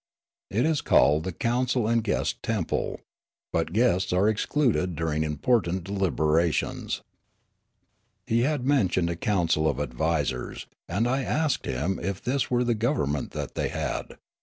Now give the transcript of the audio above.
It is called the council and guest temple. But guests are excluded during important deliberations. He had mentioned a council of advisers, and I asked him if this weie the government that they had.